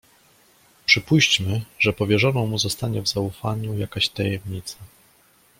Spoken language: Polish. "Przypuśćmy, że powierzoną mu zostanie w zaufaniu jakaś tajemnica."